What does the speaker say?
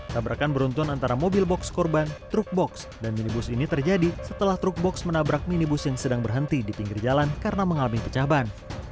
tabrakan beruntun antara mobil box korban truk box dan minibus ini terjadi setelah truk box menabrak minibus yang sedang berhenti di pinggir jalan karena mengalami pecah ban